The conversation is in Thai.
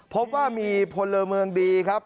พบว่ามีพลเมืองดีครับ